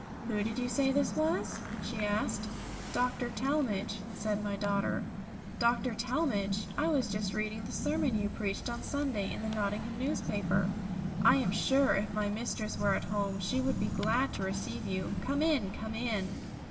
"Who did you say this was?" she asked. "Doctor Talmage," said my daughter. "Dr. Talmage, I was just reading the sermon you preached on Sunday in the Nottingham newspaper, I am sure if my mistress were at home she would be glad to receive you. Come in, come in!"